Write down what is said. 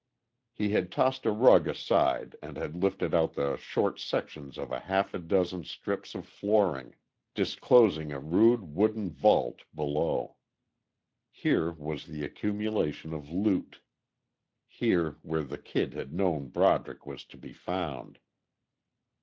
He had tossed a rug aside and had lifted out the short sections of half a dozen strips of flooring, disclosing a rude wooden vault below. Here was the accumulation of loot, here where the Kid had known Broderick was to be found.